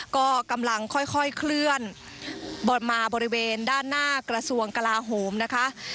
ก็กำลังค่อยเคลื่อนบอลมาบริเวณด้านหน้ากระทรวงกลาโหมนะคะ